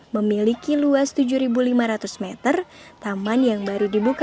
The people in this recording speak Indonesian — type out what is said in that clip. memiliki luas tujuh lima ratus meter taman yang baru dibuka